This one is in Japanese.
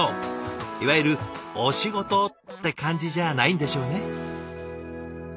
いわゆるお仕事って感じじゃないんでしょうね。